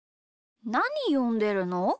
なによんでるの？